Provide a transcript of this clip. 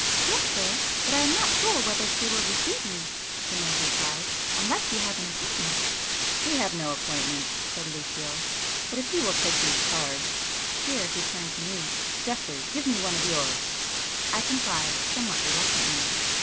"Yes sir. But I am not sure whether she will receive you,—" the maid replied—"Unless you have an appointment?" [p 224]"We have no appointment,"—said Lucio,—"but if you will take these cards,—" here he turned to me—"Geoffrey, give me one of yours!" I complied, somewhat reluctantly.